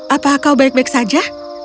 apa kau baik baik saja